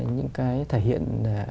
những cái thể hiện